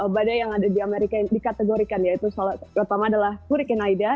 badai yang ada di amerika yang dikategorikan yaitu pertama adalah hurricane aida